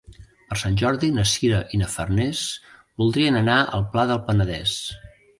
Per Sant Jordi na Sira i na Farners voldrien anar al Pla del Penedès.